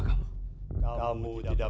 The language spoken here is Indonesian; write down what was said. saya seperti buddhah